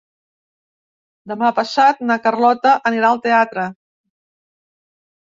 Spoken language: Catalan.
Demà passat na Carlota anirà al teatre.